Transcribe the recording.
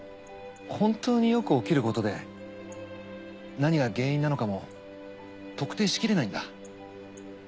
本当によく起きることで何が原因なのかも特定しきれないんだ。